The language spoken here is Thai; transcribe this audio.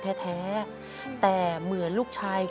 ออกมามาถามพี่เขยบ้าง